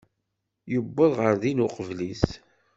Yuwweḍ ɣer din uqbel-is.